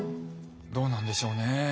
どうなんでしょうね。